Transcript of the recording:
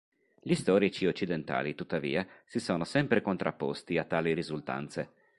Gli storici occidentali, tuttavia, si sono sempre contrapposti a tali risultanze.